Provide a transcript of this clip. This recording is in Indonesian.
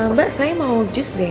mbak saya mau jus deh